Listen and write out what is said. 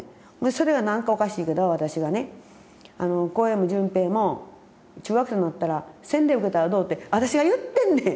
それがなんかおかしいけど私がね「幸平も順平も中学生になったら洗礼受けたらどう？」って私が言ってんねん。